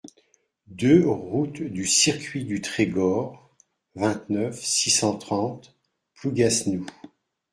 deux route du Circuit du Trégor, vingt-neuf, six cent trente, Plougasnou